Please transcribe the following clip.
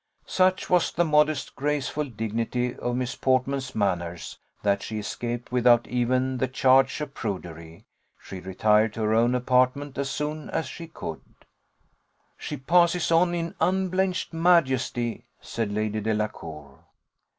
Such was the modest, graceful dignity of Miss Portman's manners, that she escaped without even the charge of prudery. She retired to her own apartment as soon as she could. "She passes on in unblenched majesty," said Lady Delacour.